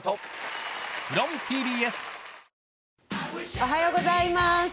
おはようございます。